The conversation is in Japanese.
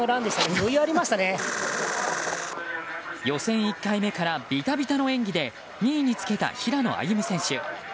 予選１回目からビタビタの演技で２位につけた平野歩夢選手。